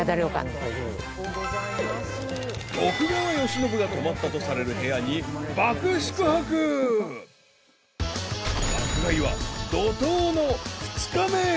［徳川慶喜が泊まったとされる部屋に爆宿泊］［爆買いは怒濤の二日目へ］